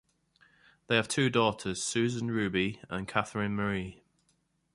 They have two daughters, Susan Ruby and Katherine Marie.